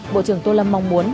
bộ trưởng tô lâm mong muốn